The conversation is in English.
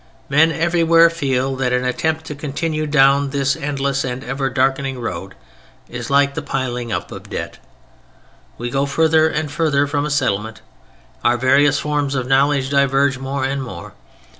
Men everywhere feel that an attempt to continue down this endless and ever darkening road is like the piling up of debt. We go further and further from a settlement. Our various forms of knowledge diverge more and more.